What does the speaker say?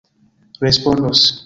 respondos